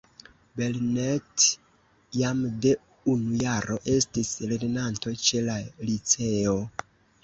Belnett jam de unu jaro estis lernanto ĉe la liceo.